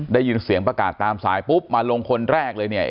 ได้ยินเสียงประกาศตามสายปุ๊บมาลงคนแรกเลยเนี่ย